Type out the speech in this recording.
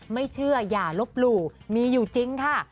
ไม่เชื่ออย่าลบหลู่มีอยู่จริงค่ะ